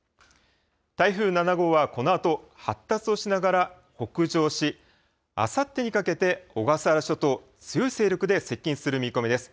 台風７号はこのあと発達をしながら北上し、あさってにかけて小笠原諸島、強い勢力で接近する見込みです。